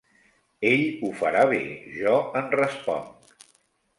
Ell ho farà bé: jo en responc.